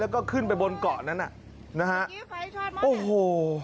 แล้วก็ขึ้นไปบนเกาะนั้นอ่ะนะฮะโอ้โห